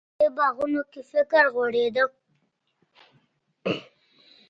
په دې باغونو کې فکر غوړېده.